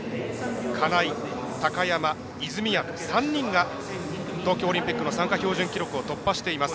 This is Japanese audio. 金井、高山、泉谷と３人が、東京オリンピックの参加標準記録を突破しています。